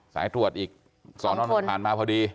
สายตรวจอีก๒คนมาพอดี